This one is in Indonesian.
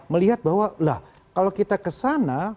melihat bahwa lah kalau kita ke sana